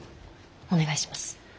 お願いします。